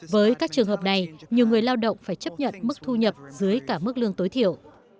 với các trường hợp này nhiều người lao động phải chấp nhận mức thu nhập dưới cả mức lương tối thiểu